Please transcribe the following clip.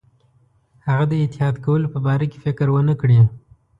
هغه د اتحاد کولو په باره کې فکر ونه کړي.